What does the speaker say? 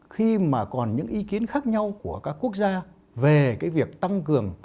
khi mà còn những ý kiến khác nhau của các quốc gia về cái việc tăng cường